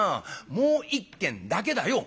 もう一軒だけだよ」。